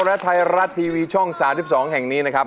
และไทยรัฐทีวีช่อง๓๒แห่งนี้นะครับ